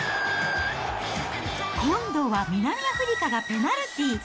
今度は南アフリカがペナルティー。